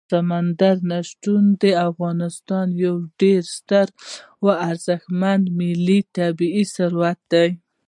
سمندر نه شتون د افغانستان یو ډېر ستر او ارزښتمن ملي طبعي ثروت دی.